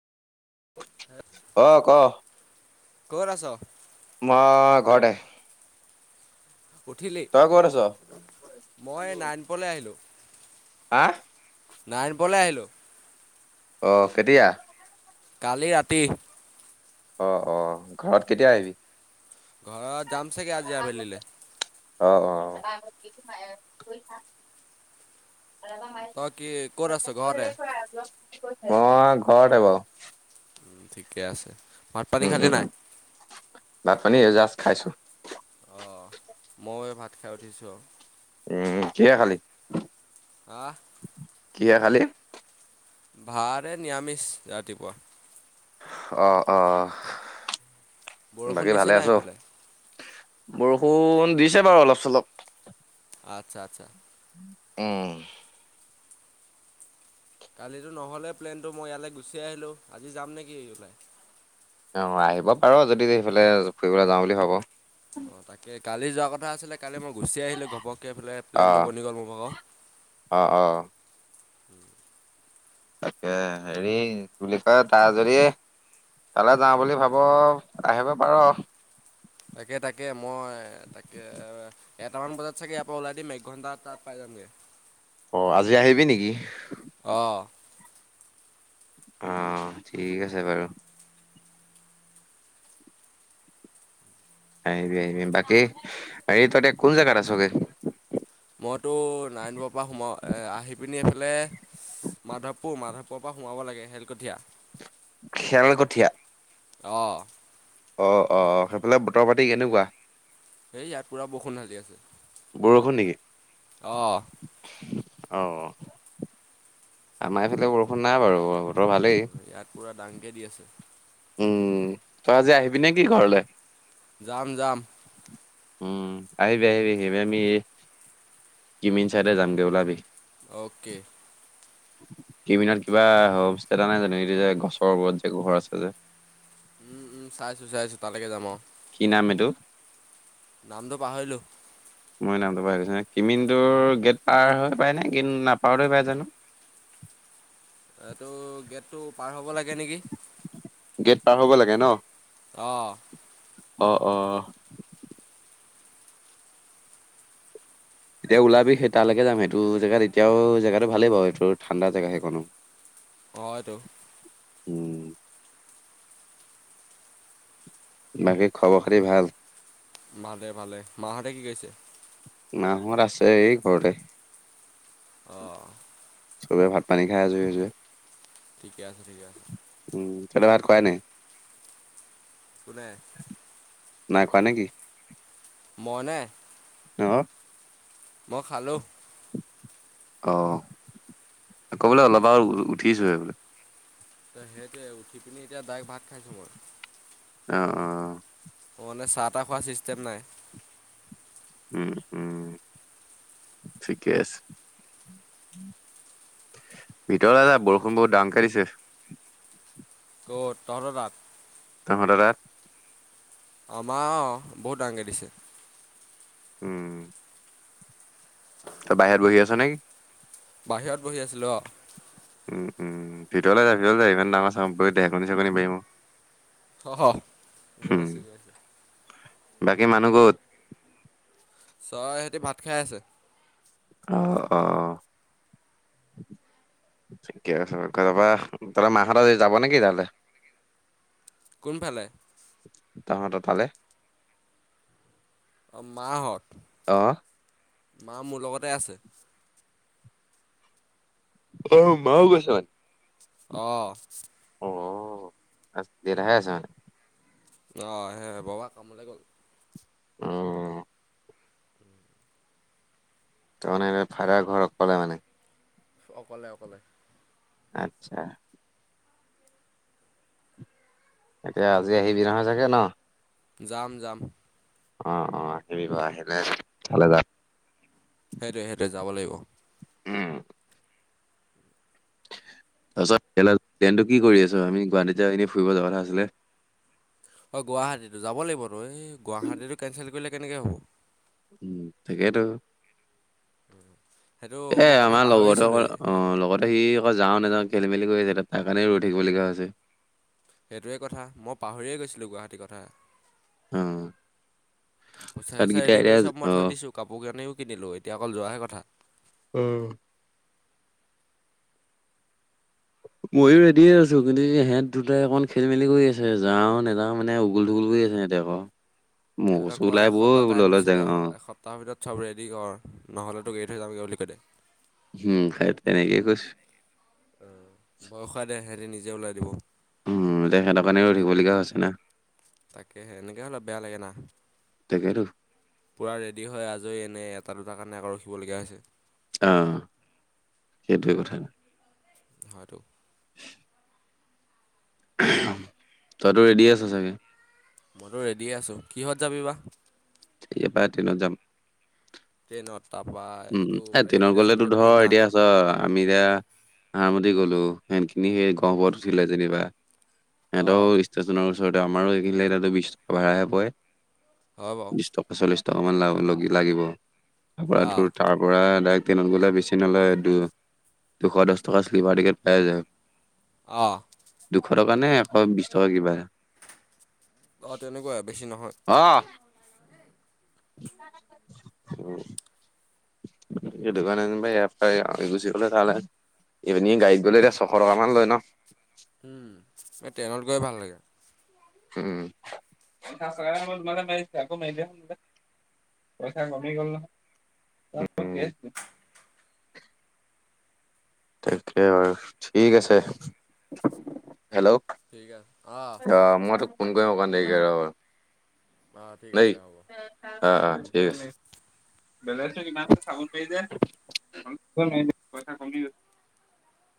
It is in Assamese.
অ', ক। ক'ত আছ? মই ঘৰতে। উঠিলি? তই ক'ত আছ মই নাইনপুৰলে আহিলোঁ। হা? নাইনপুৰলে আহিলো। অ', কেতিয়া? কালি ৰাতি। অ', অ', ঘৰত কেতিয়া আহিবি? ঘৰত যাম। চাগে আজি আবেলিলৈ অ', অ'। তই কি [inaudible] ক'ত আছ ঘৰতে মই ঘৰতে বাৰু। উম, ঠিকে আছে। ভাত-পানী খালিনে নাই? ভাত-পানী এ জাছ খাইছোঁ। অ'। ময়ো এই ভাত খাই উঠিছোঁ আৰু। উম, কিহেৰে খালি? হা? কিহেৰে খালি? ভাত এ নিৰামিচ ৰাতিপুৱা। অ', অ', বৰষুণ বাকী দিছে ভালে নাই আছ? সেইফালে বৰষুণ দিছে বাৰু অলপ-চলপ। আচ্ছা আচ্ছা। উম। কালিতো নহ'লে প্লেনটো। মই ইয়ালে গুচি আহিলোঁ। আজি যাম নেকি ওলাই? অ', আহিব পাৰ যদি সেইফালে ফুৰিবলৈ যাওঁ বুলি ভাব। অ', তাকে কালি যোৱা কথা আছিলে। কালি মই গুচি আহিলোঁ ঘপকে এইফালে। প্লেনটো বনি গ'ল মোৰ ভাগৰ। অ', অ'। উম। তাকে হেৰি বুলি কয় তাৰ যদি তালৈ যাওঁ বুলি ভাব আহিব পাৰ। তাকে তাকে মই তাকে এ। এটামান বজাত চাগে ইয়াৰ পৰা ওলাই দিম। একঘণ্টাত তাত পাই যামগে। অ', আজি আহিবি নেকি? অ'। অঁ ঠিক আছে বাৰু। আহিবি-আহিবি বাকি হেৰি তহতে কোন জাগাত আছোগে। মইতো নাৰণৰ পৰা সোমা আহি পিনি এইফালে, মাধৱপুৰ-মাধৱপুৰৰ পৰা সোমাব লাগে হেলকঠীয়া। খেল কঠীয়া। অ', অ, অ, অ, সেইফালে বতৰ পাতি কেনেকুৱা, সেই ইয়াত পুৰা বৰষুণ ধালি আছে। বৰষুণ নেকি? অ, অঁ আমাৰ এইফালে বৰষুণ নাই বাৰু। বতৰ ভালেই ইয়াত পোৰা দাংকে দি আছে। উম, তই আজি আহিবি নে কি ঘৰলে? যাম-যাম। উম, আহিবি-আহিবি-আহিবি আমি কিমিন ছাইডে যামগে ওলাবি। অ'কে। সমিনত কিবা হোম ষ্টে এটা নাই জানো এইটো যে গছৰ ওপৰত যে গোহৰ আছে যে। উম, উম, চাইছো-চাইছো তালৈকে যাম আৰু। কি নাম এইটো? নামটো পাহৰিলোঁ। মই নামটো পাহৰিছোঁ কিমিনটো গেট পাৰ হৈ পায় নে গেট নাপাওঁতে পাই জানো। এইটো গেটটো পাৰ হ'ব লাগে নেকি? গেট পাৰ হ'ব লাগে ন। অ', অ, অ, এতিয়া ওলাবি সেই তালৈকে যাম সেইটো জেগাত এতিয়াও জোটো ভালেই বাৰু সেইটো ঠাণ্ডা জেগা সেইকণো। হয়টো। উম বাকী খবৰ খাতি ভাল? ভালে-ভালে মাহঁতে কি কৰিছে? মাহত আছে এই ঘৰতে। অ', চবে ভাত পানী খাই আজৰি হৈছে। ঠিকে আছে, ঠিকে আছে। উম, তহঁতে ভাত খোৱাই নাই? কোনে? নাই খোৱা নেকি? মই নে? অ', মই খালোঁ। অঁ, আকৌ বোলে অলপ আৰু উঠিছোঁহেই বোলে। তো সেইটোৱে উঠি পিনি এতিয়া ডাইৰেক্ট ভাত খাইছোঁ মই। অ, অ, অ, মানে চাহ তাহ খোৱা চিষ্টেম নাই। উম, উম, ঠিকে আছে। ভিতৰলে যা বৰষুণ বহুত ডাঙৰকে দিছে। কত তহতৰ তাত তহতৰ তাত, আমাৰ অ, বহুত ডাঙৰকে দিছে। উম, তই বাহিৰত বহি আছা নেকি? বাহিৰত বহি আছিলোঁ অ'। উম, উম, ভিতৰলৈ যা ভিতৰলৈ যা, ইমান ডাঙৰ চাউণ্ড কৰি ঢেৰেকনি চেৰেকনি মাৰিব। অ', উম গৈছো গৈছো। বাকী মানুহ ক'ত? চব সিহঁতি ভাত খাই আছে। অঁ', অঁ'। ঠিকে আছে, কাইলৈ পা তহঁতৰ মা হঁত আজি যাব নেকি তালে? কোনফালে? তহঁতৰ ফালে। অঁ', মা হঁত অ মা মোৰ লগতে আছে। অ', মাও গৈছে। অ'। অঁ', আজি দেউতাহে আছে মানে? অ', সেয়ে বাবা কামলৈ গ'ল। অ', অ'। তাৰ মানে ফাডাৰ ঘৰত অকলে মানে? অকলে অকলে। আচ্ছা। এতিয়া আজি আহিবি নহয়, চাগে ন'? যাম যাম। অ', অ', আহিবি বাৰু আহিলে ইফালে যাম। সেইটোৱে সেইটোৱে যাব লাগিব। উম। তাৰ পিছত টট্ৰেইনটো কি কৰি আছ আমি গুৱাহাটীত যে এনে ফুৰিব যোৱা কথা আছিলে? অ', গুৱাহাটীটো যাব লাগিব টো এই গুৱাহাটীটো কেনচেল কৰিলে কেনেকে হ'ব। উম, ঠিকেইতো। সেইটো এ মই কথা আমাৰ লগৰটো পাহৰিছিলোঁৱেই আহ লগত সি আকৌ যাও নযাওঁ খেলি-মেলি কৰি আছে, তাৰ কাৰণে, ৰৈ থাকিবলগীয়া হৈছে। সেইটোৱে কথা, মই পাহৰিয়ে গৈছিলোঁ গুৱাহাটীৰ কথা। অ তাত পইচা-চইচা গীতা ৰেডি এতিয়া কৰি চব মই অ থৈ দিছো। কাপোৰ-কানিও কিনিলোঁ এতিয়া অকল যোৱাহে কথা। উম। মইো ৰেডিয়ে হৈ আছো, কিন্তু ইহঁত দুটাই অকণ খেলি-মেলি কৰি আছে যাও নেযাও মানে উগুল-থুগুল কৰি আছে সিহঁত আকৌ মই কৈছোঁ ওলাই ব'ল বোল অলপ জাও অ' তাৰ ভিতৰত চব ৰেডি কৰ, নহ'লে তোক থৈ যামগৈ বুলি কৈ দে। উম, সেই তেনেকেইে কৈছোঁ। অ', ভয় খুৱাই দে সিহতি নিজে ওলাই দিব। উম, এতিয়া সিহতৰ কাৰণে, ৰৈ থাকিবলগীয়া হৈছে না। তাকেহে এনেকে হ'লে বেয়া লাগে না। তাকেতো পোৰা ৰেডি হৈ আজৰি এনেই এটা দুটাৰ কাৰণে, আকৌ ৰখিবলগীয়া হৈছে। অ', সেইটোৱে কথা। হয়টো। [inaudible] তইতো ৰেডি আছ চাগে? মইতো ৰেডিয় আছো, কিহত যাবি বা? ইয়াৰ পৰা ট্ৰেইনত যাম। ট্ৰেইনত তাপা এইটো ৰেপিডত-চেপিডত ঘূৰিম না। পাছত আমি এতিয়া হাৰমতি গ'লো সিহঁতখিনি, সেই গহপুৰত উঠিলে যেনিবা। সিহঁতৰ অঁ ষ্টেশচনৰ ওচৰতে আমাৰো এইখিনিলে এতিয়াটো বিশ টকা ভাৰা হে পৰে। হয় বাৰু বিশ টকা চল্লিশ টকা মান লাগিব অঁ তাৰপৰা তাৰপৰা ডাইৰেক্ট ট্ৰেইনত গ'লে বেছি নলয় দু দুশ দহ টকা শ্লীপাৰ টিকেট পাই যায় অ'। দুশ টকা নে এশ বিশ টকা কিবা। অ', তেনেকুৱা বেছি নহয়। অ'। [inaudible] সেইটো কাৰানে যেনিবা ইয়াৰ পৰা আমি গুচি গ'লে তালে। এইপিনি গাড়ীত গ'লে ছশ টকা মান লৈ ন। এই ট্ৰেইনত গৈ ভাল লাগে। [unintelligible] পইচা কমি গল ন। তাকে বাৰ ঠিক আছে হেল্ল'। ঠিক আছে অঁ আহ মই তোক ফোন কৰিম অকণ দেৰিকে ৰ। অঁ ঠিক নাই আছে হ'ব অ', অ', ঠিক আছে। বেলেঞ্চ টো কিমান চাব নোৱাৰি [unintelligible]